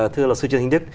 thưa luật sư trương hình đức